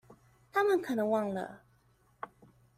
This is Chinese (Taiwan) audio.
她們可能忘了